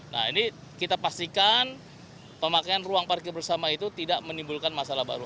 nah ini kita pastikan pemakaian ruang parkir bersama itu tidak menimbulkan masalah baru